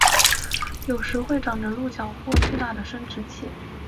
有时会长着鹿角或巨大的生殖器。